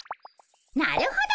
なるほど。